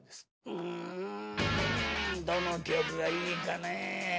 うんどの記憶がいいかねえ。